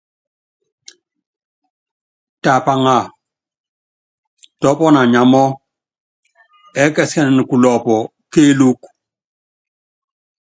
Tɛ apaŋa, tɛ ɔɔ́pɔnɔ anyamɔ́, ɛɛ́kɛsikɛnɛn kulɔ́pɔ kéelúku.